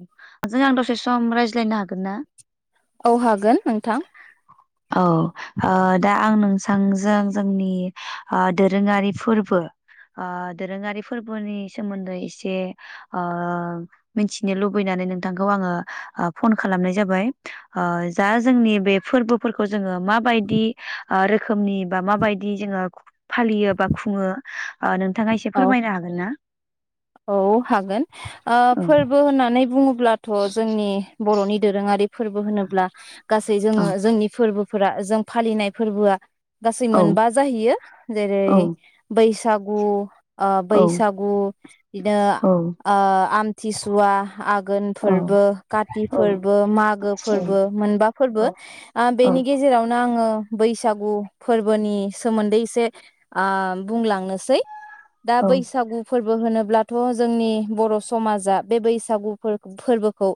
नोंजों आं दसे सम रायज्लायनो हागोन ना थां औ ओ दा आं नोंसांजों जोंनि ओ दोरोङारि फोरबो ओ दोरोङारि फोरबोनि सोमोनदै एसे ओ मिथिनो लुबैनानै नोंथांखौ आङो ओ फन खालामनाय जाबाय ओ जा जोंनि बे फोरबो फोरखौ जोङो मााबायदि रोखोमनि बा माबायदि जोङो फालियो बा खुङो नोंथाङा एसे औ फोरमायनो हागोन ना? औ हागोन ओ औ फोरबो होननानै बुङोब्ला थ' जोंनि बर'नि दोरोङारि फोरबो होनोब्ला गासै औ जोङो जोंनि फोरबो फोरा जों फालिनाय फोरबोआ गासै मोनबा औ जाहैयो जेरै बैसागु गु ओ औ बैसागु बिदिनो औ आमथिसुवा, आघोन फोरबो, औ काति औ फोरबो, मागो फोरबो मोनबा फोरबो औ बेनि गेजेरावनो आङो बैसागु फोरबोनि सोमोनदै एसे आ बुंलांनोसै दा औ बैसागु फोरबो फोरबो होनोब्लाथ' जोंनि बर' समाजा बे बैसागु फोरबोखौ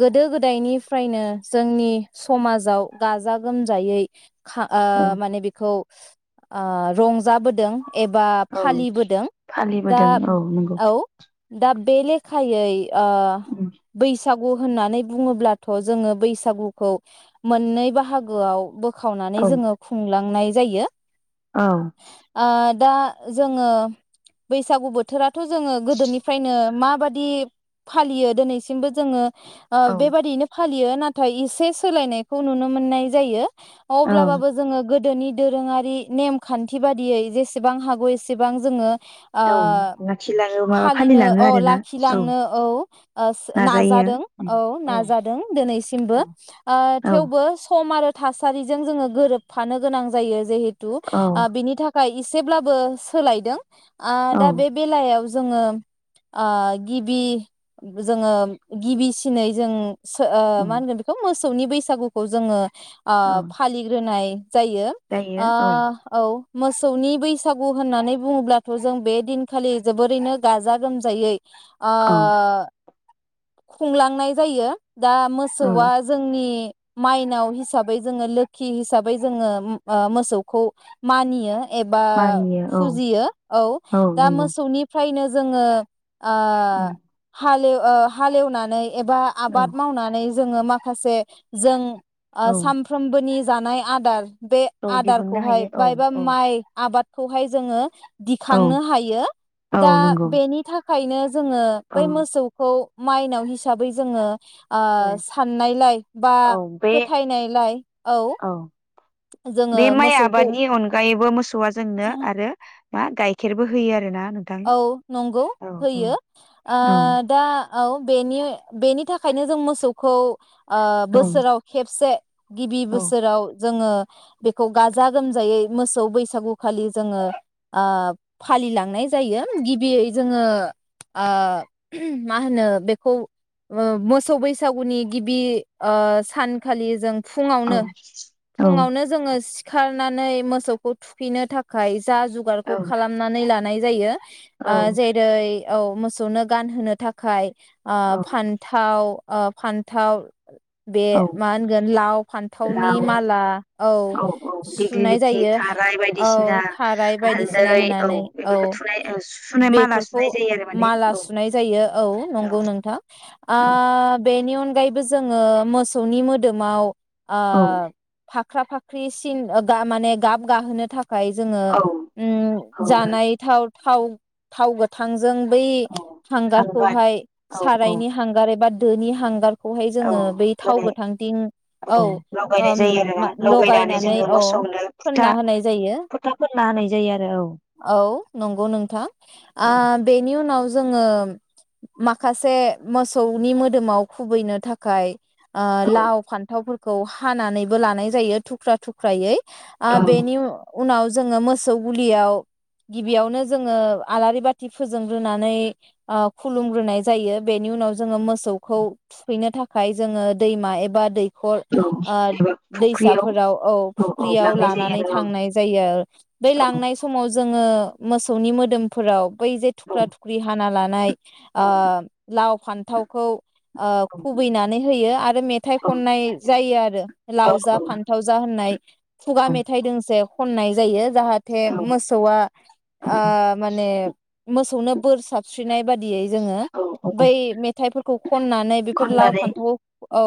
गोदो गोदायनिफ्रायनो जोंनि समाजाव गाजा गोमजायै खा ओ औ माने बेखौ आ रंजा रंजाबोदों एबा औ फालिबोदों दा फालिबोदों औ नंगौ औ दा बे लेखायै आं बैसा बैसागु होननानै बुङोब्लाथ' जोङो बैसागुखौ मोननै बाहागोआव बोखा खावनानै औ जोङो खुंलां- लांनाय जायो औ ओ दा जोङो बैसागु बोथोराथ' जोङो गोदोनिफ्रायनो माबादि फालियो दिनैसिमबो जोङो ओ औ बेबादियैनो फालियो नाथाय एसे सोलायनायखौ नुनो मोननाय जायो औ अब्लाबबो जोङो गोद नि दोरोङारि नेम खानथि बादियै जेसेबां हागौ एसेबां जोङो औ लाखिलाङो माबा फालिनो फालिलाङो औ आरोना औ लाखिलांनो औ नाजायो नाजादों औ नाजादों दिनैसिमबो औ औ थेवबो सम आरो थासारिजों जोङो गोरोबफानो गोनां जायो जेहेतु थु औ [inaudible] नि थाखाय एसेब्लाबो सोलायदों आ औ दा बे बेलायाव जोङो ओ गिबि जोङो गिबिसिनै जों मानहोनगोन बेखौ मोसौ मोसौनि बैसागुखौ जोङो औ फालिग्रोनाय जायो जायो औ आ मोसौनि बैसागु होननानै बुङोब्लाथ' जों बे दिनखालि जोबोरैनो गाजा गोमजायै आ औ खुंलांनाय जायो दा औ मोसौआ जोंनि माइनाव हिसाबै जोङो लोखि हिसाबै जोङो मोसौखौ मानियो एबा मानियो औ फुजियो औ दा मोसौनिफ्रायनो जोङो आ औ हाल ओ हालएवनानै एबा आबाद मावनानै जोङो माखासे जों औ सानफ्रोमबोनि जानाय आदार बे औ दिहुननो आदारखौहाय हायो औ बायबा औ माइ आबाद खौहाय जोङो औ दिखांनो हायो औ दा नंगौ बेनि थाखाय फाइनो जोङो औ बै मोसौखौ माइनाव हिसाबै जोङो औ साननायलाय बा औ बे फोथायनायलाय औ जोङो बे माइ मोसौखौ आबादनि अनगायैबो मोसौआ जोंनो आरो मा गाइखेरबो होयो आरो ना औ नंगौ होयो ओ औ दा औ बेनि बेनि थाखायनो जों मोसौखौ ओ बोसोराव खेबसे गिबि औ बोसोराव जोङो बेखौ गाजा गोमजायै मोसौ बैसागुखालि जोङो फालिलांनाय जायो गिबि जोङो ओ मा होनो बेखौ मोसौ बैसागुनि गिबि ओ सानखालि जों फुङावनो फुङावनो जोङो सि खारनानै मोसौखौ थुखैनो थाखाय जा जुगारखौ औ खालामनानै लानाय जायो औ आ जेरै औ मोसौनो गानहोनो थाखाय ओ फान्थाव ओ फान्थाव बे औ मा होनगोन लाव फान्थावनि लाव माला औ औ सुनाय दिग्लिलिथि जायो थाराय औ बायदिसिना थाराय बायदिसिना हालदै होनानै औ बेफोरखौ थुनाय सुनाय माला बेफोरखौ सुनाय जायो आरो माने माला औ सुनाय जायो औ नंगौ नोंथां ओ बेनि अनगा अनगायैबो जोङो मोसौनि मोदोमाव आ औ फाख्रा फाख्रि सिन माने गाब गाहोनो थाखाय थाखाय औ औ जोङो जानाय थाव गोथां जों बै औ हांगार हांगारखौहाय औ औ सारायनि हांगार एबा दोनि हांगार खौहाय औ जोङो बै थाव होनाय गोथांथिं औ लगायनाय ओम जायो आरोना लगायनानै जोङो औ मोसौनो फोनना फुथा होनाय जायो फोथा फोनना होनाय जायो आरो औ नंगौ नोंथां ओ औ बेनि उनाव जोङो माखासे मोसौनि मोदोमाव खुबैनो थाखाय ओ लाव फान्थाव फोरखौ खौ हानानैबो लानाय जायो थुख्रा थुख्रायै औ आ बेेनि उनाव जोङो मोसौ गलियाव गिबियावनो जोङो आलारि बाथि फोजोंग्रोनानै ओ खुलुमग्रोनाय जायो बेनि उनाव जोङो मोसौखौ थुखैनो थाखाय जोङो दैमा एबा दै दैखर औ ओ एबा फुख्रियाव दैसाफोराव औ औ फुख्रियाव लांनाय जायो लानानै आरो थांनाय जायो आरो बै लांनाय समाव जोङो मोसौनि मोदोमफोराव बैे औ थुख्रा थुख्रि हाना ल ननाय आ औ लाव फान्थावखौ खुबैनानै होयो आरो आरो मेथाइ औ खननाय जायो आरो लाव जा फान्थाव जा होननाय खुगा मेथाइ दोंसे खननाय जायो जाहााथे औ मसौवा आ माने मोसौनो बोर साबस्रिनाय बाददियै जो औ औ ब मेथ खननानै बेफोर लाव खननानै फान्थाव औ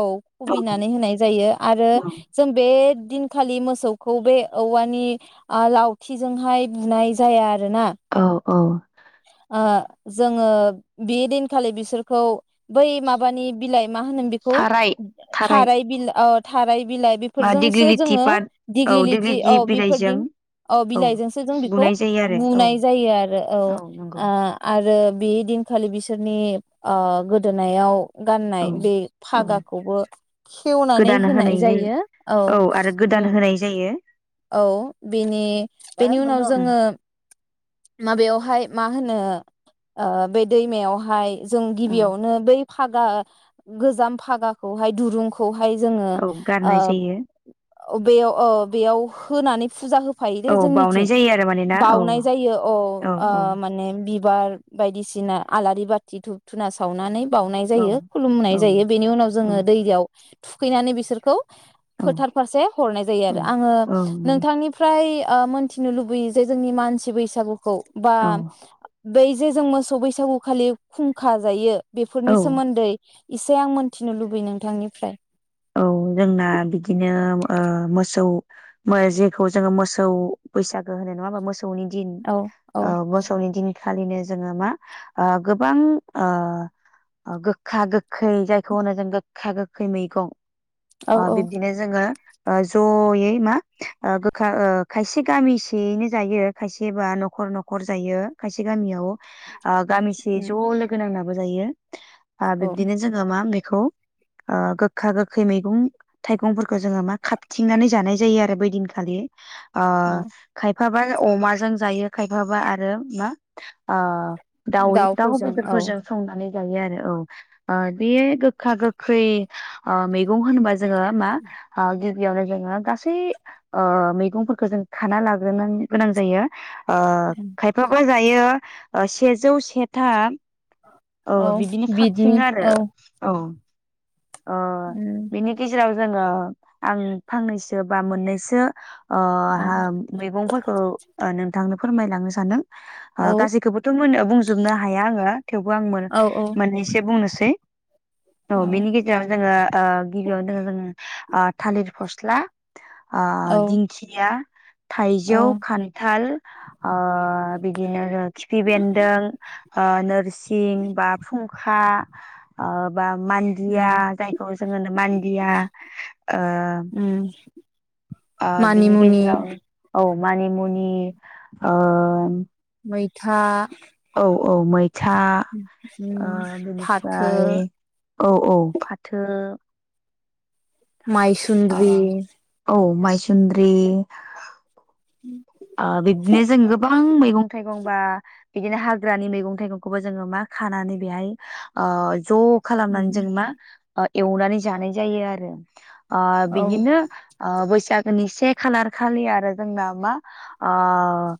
औ खुबनानै होनाय जायो आरो औ जों बे दिनखालि मोसौखौ बे औवानि लावथिजोंहाय बुनाय जाया ना औ औ जोङो बे दिनखालि बिसोरखौ बै माबानि बिलाइ मा होनोम बेखौ थाराय बिला थाराय बिलाइ बा बेफोरजोंसो दिग्लिलिथि जोङो पात औ दिग्लि लथि औ दिग्लिथि बिलाइजों बेफोरदिं औ बिलाइजोंसो जों बेखौ बुनाय जायो आरो औ बुनाय जायो आरो औ आ आ आरो बे दिनखालि बिसोरनि गोदोनायाव औ गाननाय बे औ फागाखौबो खेवनानै होनाय जायो औ आरो गोदान होनाय जायो औ बेनि बेनि उनाव जोङो माबायावहाय मा होनो बे दैमायावहाय जों औ गिबियावनो बै फागा गोजाम फागाखौहाय दुरुंखौ बेहाय जोङो औ गारनाय जायो बेयाव बेयाव होनानै फुजा हो औ जोंनिथिं बाउनाय जायो आरो माने ना औ बावनाय जायो औ औ अ मान बिबार बायदिसिना आलारि बाथि धुुबधुना सावनानै बाउनाय औ जायो खुलुमनाय औ जायो बेनि उनाव औ जोङो दैयाव थुखैनानै बि औ फोथार फारसे हरनाय जायो औ आरो आङो औ नंगौ नोंथांनिफ्राय ओ मोनथिनो लुबैयो जे जोंनि मानसि बैसागु औ बा औ बै जे जों मोसौ बैसागु खालि खुंखा जायो बेफोरनि औ सोमोन्दै इसे आं मोनथिनो लुबैयो नोंथांनिफ्राय औ जोंना बिदिनो ओ मोसौ जेखौ जोङो मोसौ बैसागो होनाय नङा होमबा मोसौ मोसौनि दिन औ औ ओ मोसौनि दिन खालिनो जोङो मा गोबां ओ गोखा गोखै जायखौ होनो जों गोखा गोखै मैगं औ अ औ बिबदिनो जोङो अ जयै मा ओ गोखा ओ खायसे गामिसेयैनो जायो खायसेबा न'खर न'खर जायो खायसे गामियाव ओ गामिसे ज' लोगो नांना ज' जायो ओ औ बिबदिनो जोङो मा खौ ओ गोखा गो खै मैगं थाइगंफोरखौ जोङो मा खााबथिंनानै जानाय जायो आरो बै दिनखालि आ औ खाय फाबा अमाजों जायो खायफाबा आरो मा आ दाउ दाउ दाउफोरजों औ बेदरफोरजों संनानै जायो आरो औ ओ बेयो गोखा गोखै ओ मैगं होनबा जोङो मा ओ गिबियावनो जोङो गासै ओ मैगंफोरखौ जों खाना लाग्रोनो गोनां जायो। अ खायफाबा जायो ओ सेजौ सेथा औ बिदिनो बिदनि खारथिं आरो औ औ अ उम बिनि गेजेराव जोङो आं फांनैसो बा मोननैसो ओ औ मैगंफोरखौ नोंथांनो फोरमायलांनो सानदों आ औ गासैखौबोथ' मोन बुंजोबनो हाया आङो थेवबो आं मोन औ मोनैसो बुंनो सै औ बेनि गेजेराव जोङो ओ गिबियावनो दङ जोङो ओ थालिर फस्ला आ औ दिंखिया थाइजौ औ खानथाल ओ बिदिनो र खिफि बेनदों ओ नोरसि खा ओ बा मान्दिया उम जायखौ जोङो मान्दिया ओ उम आ बिनि मानिमुनि गेजेराव औ मानिमुनि ओ मैथा औ औ मैथ था उम फाथो बेनिफ्राय औ औ फाथो ओ माइसुन्द्रि औ माइसुन्द्रि [inaudible] बिबदिनो जों गोबां मैगं थाइगं गं बा बिदिनो हाग्रानि मैगं थाइगंखौबो जोङो मा खानानै बेहाय अ ज' खालामनानै उम जों मा एवनानै जानाय जायो आरो अ औ बिदिनो आ बै सागोनि से खालार खालि आरो जोंना मा आ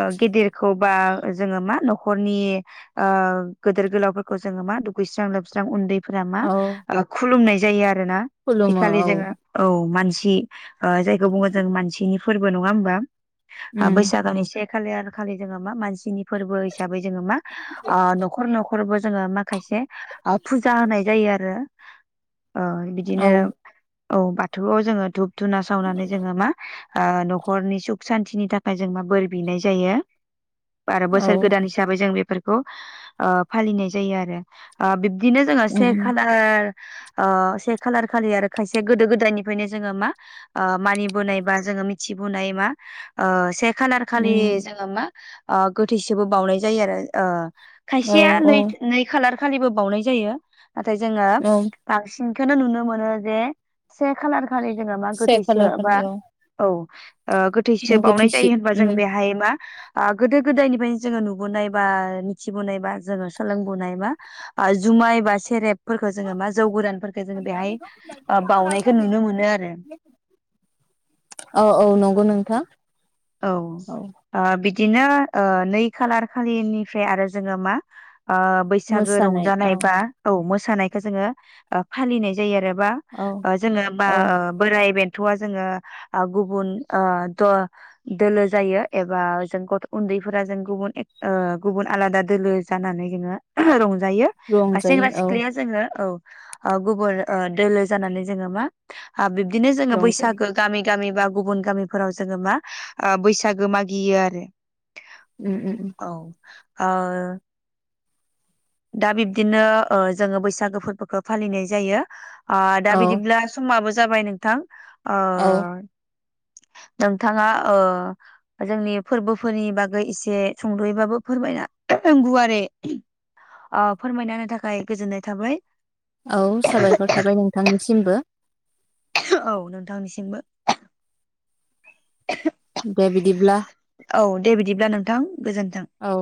ओ गिदिरखौ बा जोङो मा न'खरनि गोदोर गोलावफोरखौ जोङो मा दुगैस्रां लोबस्रां उनदै फोरा मा औ खुलुमनाय जायो आरो रोना खुलुमो बेखालि औ जोङो औ मानसि सि जायखौ बुङो जों मानसिनि फोरबो नङा होमबा उम बैसागोनि खालि आरो खालि जोङो मा मानसिनि फोरबो हिसाबै जोङो मा ओ न'खर न फोरबो जोङो माखासे फुजा होनाय जायो आरो अ औ बिदिनो औ बाथौआव जोङो धुब धुना सावनानै जोङो मा ओ न'खरनि सुख सान्तिनि थाखाय जों मा बोर बिनाय जायो आरो बोसोर औ गोदान हिसाबै जों बेफोरखौ ओ फालिनाय जायो आरो बि बिदिनो जोङो से उम खालार ओ से खालार खालि आरो खायसे गोदो गोदायनिफ्रायनो जोङो मा ओ मानिबोनाय बा जोङो मिथिबोनाय मा ओ से खा लि उम जोङो मा ओ गोथैसोबो बावनाय जायो आरो ओ औ खायसेया औ नै नै खालार खालिबो बावनाय जायो नाथाय जोङो औ बांसिन खौनो नुनो मोनो जे से खालार खालि जोङो मा से खालार गोथैसो बा खालि औ औ ओ गोथैसो बावनाय गोथैसि जायो होनबा जों उम बेहाय मा ओ गोदो गोदायनिफ्रायनो जोङो नुबोनाय बा मिथिबोनाय बा जोङो सोलोंबोनाय बा ओ जुमाय बा सेरेब फोरफोरखौ जोङो मा जौ गोरानफोरखौ जोङो बेहाय ओ बावनायखौ नुनो मोनो आरो औ औ नंगौ नोंथां औ ओ बि दिनो ओ नै खालार खालिनिफ्राय आरो जोङो मा ओ बैसागो मोसानाय रंजानाय औ बा औ मो सानायखौ जोङो ओ फालिनाय जायो आरो बा औ ओ‌ जोङो बा औ ओ बोराइ बेन थ'आ जोङो ओ गुबुन ओ‌ द दोलो जायो एबा जों गथ' उन्दैफोरा जों गुबुन ओ गुबुन आलादा दोलो जानानै जोङो रं जायो बा रंजायो सेंग्रा औ सिख्लाया जोङो औ ओ गुबुन ओ दोलो जानानै जोङो मा ओ बिब्दिनो जोङो रंजायो बैसागो गामि गामि बा गुबुन गामिफोराव जोङो मा ओ बैसागो मागियो आरो उम उम उम औ ओ दा बिब्दिनो ओ जोङो बैसागो फोरबोखौ फालिनाय जायो ओ दा औ बिदिब्ला समाबो जाबाय नोंथां ओ औ नोंथाङा ओ जोंनि फोरबोफोरनि बागै एसे सुंद'यैबाबो फोरमायना गुवारै अ फोरमायना होनो थाखाय गोजोननाय थाबाय औ साबायखर थाबाय नोंथांनिसिमबो औ नोंथांनिसिमबो दे बिदिब्ला औ दे बिदिब्ला नोंथां गोजोन्थों औ